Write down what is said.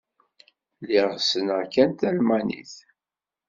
Lliɣ ssneɣ kan talmanit.